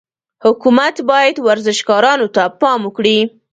حکومت باید ورزشکارانو ته پام وکړي.